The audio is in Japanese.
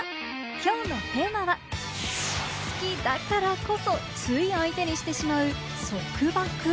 きょうのテーマは好きだからこそ、つい相手にしてしまう束縛。